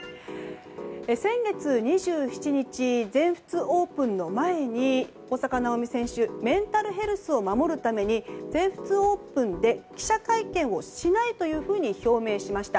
先月２７日、全仏オープンの前に大坂なおみ選手メンタルヘルスを守るために全仏オープンで記者会見をしないというふうに表明しました。